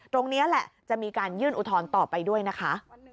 ตรงนี้แหละจะมีการยื่นอุทธรณ์ต่อไปด้วยนะคะ